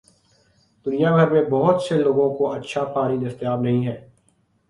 دنیا بھر میں بہت سے لوگوں کو اچھا پانی دستیاب نہیں ہے۔